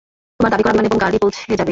তোমার দাবি করা বিমান এবং গাড়ি পৌঁছে যাবে।